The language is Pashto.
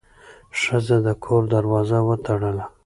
ښځه د کور دروازه وتړله.